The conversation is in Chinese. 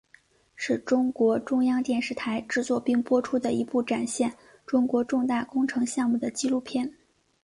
是中国中央电视台制作并播出的一部展现中国重大工程项目的纪录片。